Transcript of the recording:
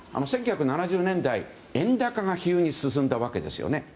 １９７０年代、円高が非常に進んだわけですよね。